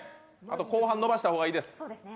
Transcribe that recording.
後半、伸ばした方がいいです。